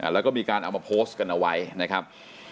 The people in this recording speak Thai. แล้วก็มีการเอามาโพสต์กันเอาไว้นะครับ